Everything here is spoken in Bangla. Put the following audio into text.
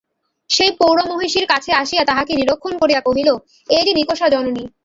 সেই প্রৌঢ়া মহিষীর কাছে আসিয়া তাঁহাকে নিরীক্ষণ করিয়া কহিল, এই যে নিকষা জননী।